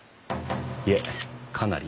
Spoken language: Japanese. いえかなり。